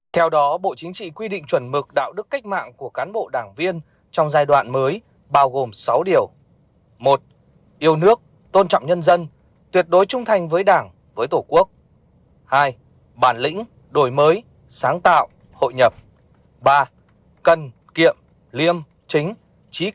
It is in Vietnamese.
theo đó bộ chính trị quy định chuẩn mực đạo đức cách mạng của cán bộ đảng viên trong giai đoạn mới